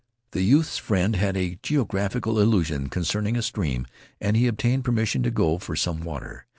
The youth's friend had a geographical illusion concerning a stream, and he obtained permission to go for some water.